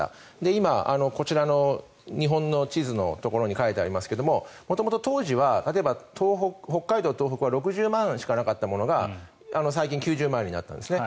今、こちらの日本の地図のところに書いてありますが元々、当時は例えば北海道、東北は６０万しかなかったものが最近９０万になったんですね。